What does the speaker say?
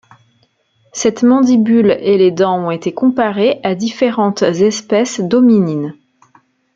Cette mandibule et les dents ont été comparées à différentes espèces d’hominines.